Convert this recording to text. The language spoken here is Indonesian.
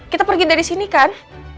kita pergi dari sini kan